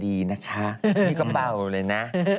ดีนะคะนี่ก็เบาเลยนะ